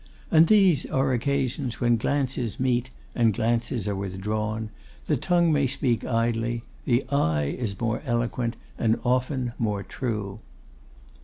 And these are occasions when glances meet and glances are withdrawn: the tongue may speak idly, the eye is more eloquent, and often more true.